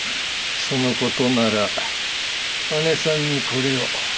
そのことならあねさんにこれを。